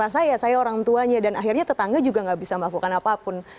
saya saya orang tuanya dan akhirnya tetangga juga gak bisa melakukan apapun